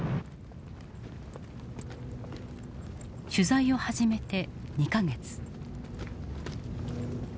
取材を始めて２か月。